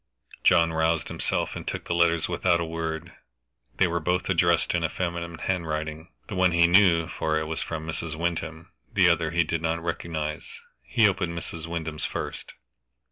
John roused himself, and took the letters without a word. They were both addressed in feminine handwriting. The one he knew, for it was from Mrs. Wyndham. The other he did not recognize. He opened Mrs. Wyndham's first.